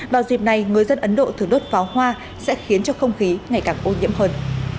vào dịp này người dân ấn độ thường đốt pháo hoa sẽ khiến cho không khí ngày càng ô nhiễm hơn